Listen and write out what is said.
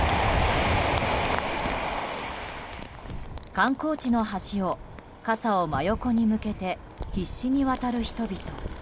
観光地の橋を、傘を真横に向けて必死に渡る人々。